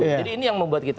jadi ini yang membuat kita